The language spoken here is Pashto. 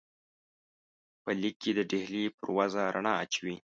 په لیک کې د ډهلي پر وضع رڼا اچوي.